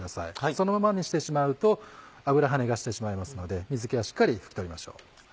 そのままにしてしまうと油はねがしてしまいますので水気はしっかり拭き取りましょう。